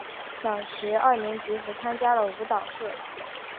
小学二年级时参加了舞蹈社。